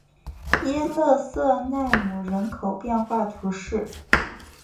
伊勒瑟奈姆人口变化图示